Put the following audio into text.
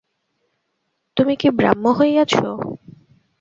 তুমি কি ব্রাহ্ম হইয়াছ?